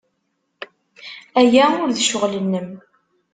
Aya ur d ccɣel-nnem.